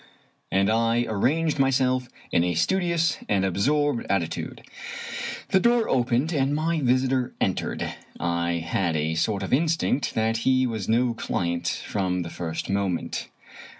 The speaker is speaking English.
" and I arranged myself in a studious and absorbed atti tude. The door opened and my visitor entered. I had a sort of instinct that he was no client from the first moment.